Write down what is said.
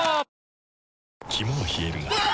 肝は冷えるがうわ！